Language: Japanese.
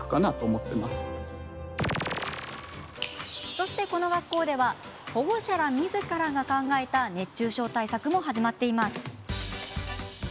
そして、この学校では保護者みずからが考えた熱中症対策も始まっています。